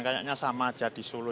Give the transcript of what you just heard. kayaknya sama aja di solo